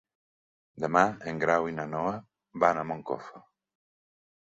Demà en Grau i na Noa van a Moncofa.